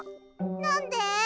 なんで？